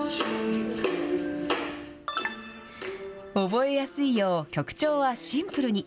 覚えやすいよう曲調はシンプルに。